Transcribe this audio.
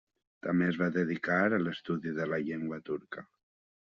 També es va dedicar a l'estudi de la llengua turca.